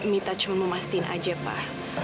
mita cuma memastin aja pak